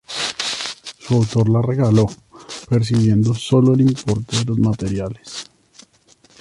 Su autor la regaló, percibiendo sólo el importe de los materiales.